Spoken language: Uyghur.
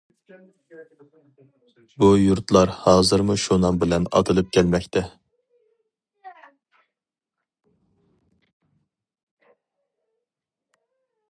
بۇ يۇرتلار ھازىرمۇ شۇ نام بىلەن ئاتىلىپ كەلمەكتە.